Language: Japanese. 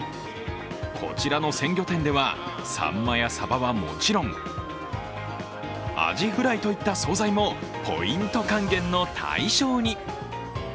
こちらの鮮魚店ではサンマやサバはもちろんアジフライといった総菜もポイント還元の対象に。